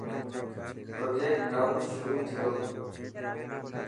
پروجيڪٽ نئون شروع ٿيو.